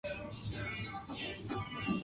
Semillas lisa o rugosa.